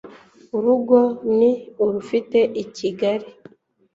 urugo ni urufite igikali